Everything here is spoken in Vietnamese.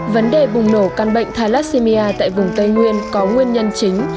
vấn đề bùng nổ căn bệnh thalassimia tại vùng tây nguyên có nguyên nhân chính